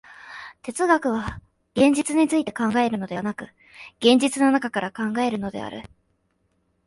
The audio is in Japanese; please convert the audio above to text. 哲学は現実について考えるのでなく、現実の中から考えるのである。